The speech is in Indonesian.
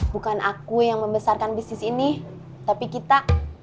bukan aku yang membesarkan bisnis ini tapi kita